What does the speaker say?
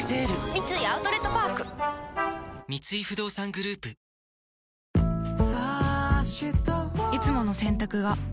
三井アウトレットパーク三井不動産グループいつもの洗濯が